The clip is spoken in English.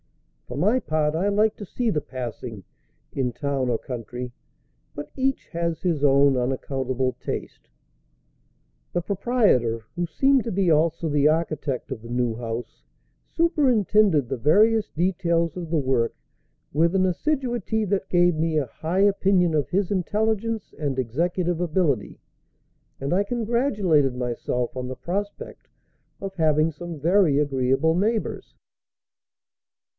For my part, I like to see the passing, in town or country; but each has his own unaccountable taste. The proprietor, who seemed to be also the architect of the new house, superintended the various details of the work with an assiduity that gave me a high opinion of his intelligence and executive ability, and I congratulated myself on the prospect of having some very agreeable neighbors.